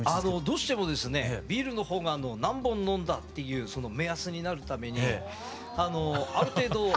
どうしてもですねビールのほうが何本飲んだっていうその目安になるためにある程度。